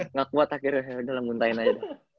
nggak kuat akhirnya udah langsung muntahin aja